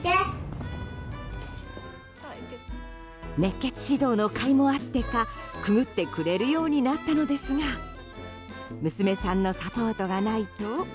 熱血指導のかいもあってかくぐってくれるようになったのですが娘さんのサポートがないと。